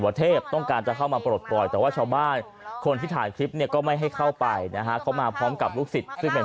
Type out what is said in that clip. คนโน้นก็มาเข้าคนนี้ก็มาเข้ามาเข้ากันเลย